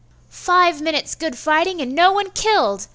'Five minutes' good fighting, and no one killed!